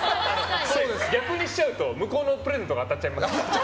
逆にしちゃうと向こうのプレゼントが当たっちゃいますから。